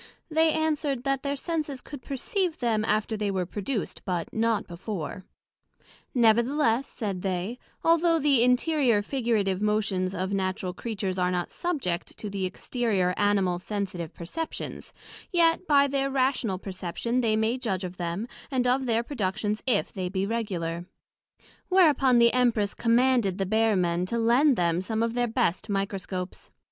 They answer'd, That their Senses could perceive them after they were produced, but not before; Nevertheless, said they, although the interior, figurative motions of Natural Creatures are not subject to the exterior, animal, sensitive perceptions, yet by their Rational perception they may judg of them, and of their productions if they be regular: Whereupon the Empress commanded the Bear men to lend them some of their best Microscopes.